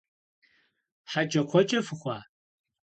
ХьэкӀэкхъуэкӀэ фыхъуа?!